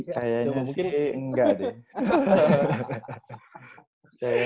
kayaknya sih enggak deh